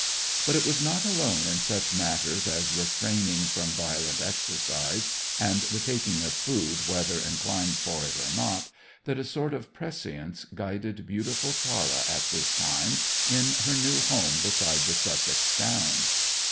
But it was not alone in such matters as refraining from violent exercise, and the taking of food whether inclined for it or not, that a sort of prescience guided beautiful Tara at this time in her new home beside the Sussex Downs.